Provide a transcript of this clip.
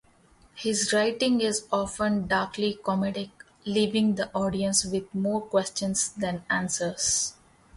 His writing is often darkly comedic, leaving the audience with more questions than answers.